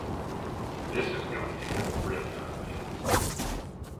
This is going to get really ugly.